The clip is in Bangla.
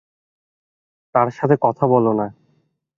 তার সাথে কথা বলো না!